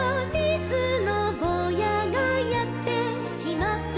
「やぎのぼうやがやってきます」